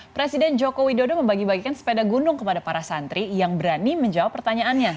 presiden joko widodo membagi bagikan sepeda gunung kepada para santri yang berani menjawab pertanyaannya